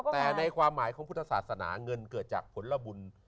แต่ในความหมายของพุทธศาสนาเงินเกิดจากผลบุญ